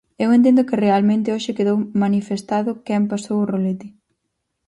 Eu entendo que realmente hoxe quedou manifestado quen pasou o rolete.